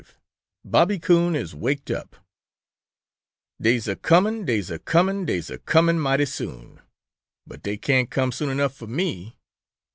V BOBBY COON IS WAKED UP "Dey's a coming, dey's a coming, dey's a coming mighty soon. But dey can't come soon enuff fo' me!